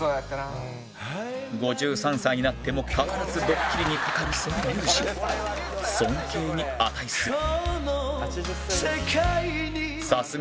５３歳になっても変わらずドッキリに掛かるその雄姿は尊敬に値する